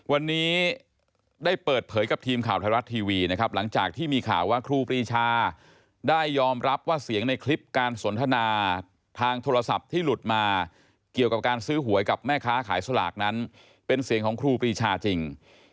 วันนี้ได้เปิดเผยกับทีมข่าวไทยรัฐทีวีนะครับหลังจากที่มีข่าวว่าครูปรีชาได้ยอมรับว่าเสียงในคลิปการสนทนาทางโทรศัพท์ที่หลุดมาเกี่ยวกับการซื้อหวยกับแม่ค้าขายสลากนั้นเป็นเสียงของครูปรีชาจริง